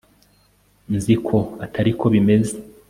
Nzi ko atari ko bimeze